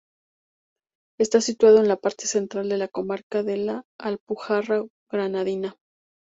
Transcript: Está situado en la parte central de la comarca de la Alpujarra Granadina.